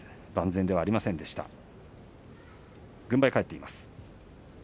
万全ではありませんでした。